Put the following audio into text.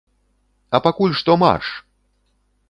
А пакуль што марш!